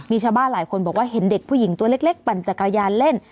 มีชาวบ้านหลายคนบอกว่าเห็นเด็กผู้หญิงตัวเล็กปั่นจักรยานเล่น